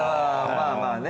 まあまあね。